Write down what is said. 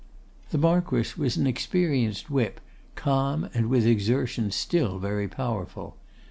The Marquess was an experienced whip, calm, and with exertion still very powerful.